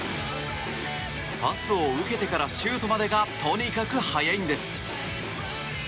パスを受けてからシュートまでがとにかく速いんです。